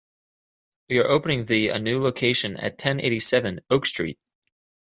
We are opening the a new location at ten eighty-seven Oak Street.